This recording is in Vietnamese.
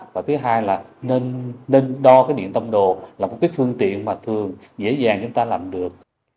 và thứ hai là nên đo cái điện tâm đồ là một cái phương tiện mà thường dễ dàng chúng ta làm được